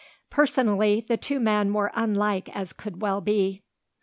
Personally, the two men were unlike as could well be.